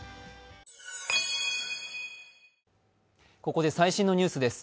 ここで最新のニュースです。